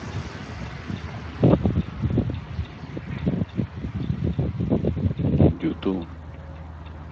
Estuvo casado con la actriz Amparo Soler Leal.